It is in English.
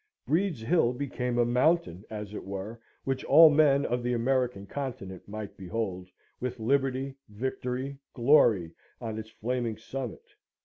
Breed's Hill became a mountain, as it were, which all men of the American Continent might behold, with Liberty, Victory, Glory, on its flaming summit.